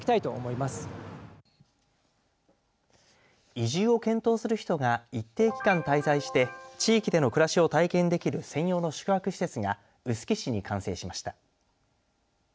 移住を検討する人が一定期間滞在して地域での暮らしを体験できる専用の宿泊施設が臼杵市に完成しました。